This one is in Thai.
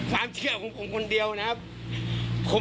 ความเชื่อของผมคนเดียวนะครับ